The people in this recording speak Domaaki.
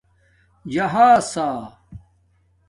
جہاسݳ